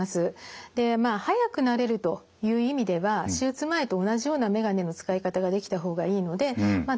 でまあ早く慣れるという意味では手術前と同じような眼鏡の使い方ができた方がいいのでまあ